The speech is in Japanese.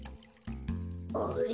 あれ？